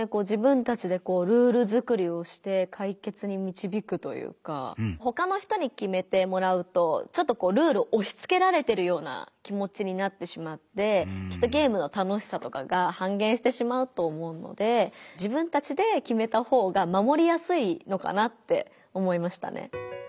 自分たちでこうルール作りをして解決にみちびくというかほかの人に決めてもらうとちょっとこうルールをおしつけられてるような気もちになってしまってきっとゲームの楽しさとかが半減してしまうと思うので自分たちで決めた方がまもりやすいのかなって思いましたね。